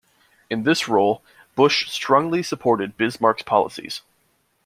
In this roll, Busch strongly supported Bismarck's policies.